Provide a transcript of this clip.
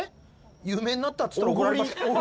有名になったって言ったら怒られますけど。